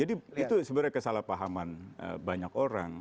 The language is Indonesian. itu sebenarnya kesalahpahaman banyak orang